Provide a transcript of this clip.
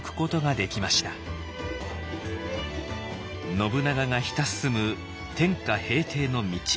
信長がひた進む天下平定の道。